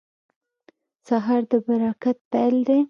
سهار د برکت پیل دی.